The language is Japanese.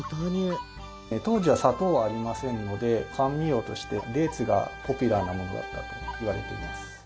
当時は砂糖はありませんので甘味料としてデーツがポピュラーなものだったといわれています。